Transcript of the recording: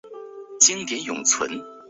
该说法现在还在许多欧洲语言中使用。